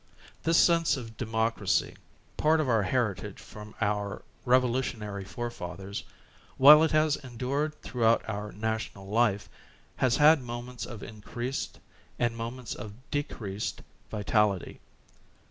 This sense for democracy, part of our heritage from our revolutionary forefathers, while it has endured throughout our national life, has had moments of increased and moments of decreased vitality.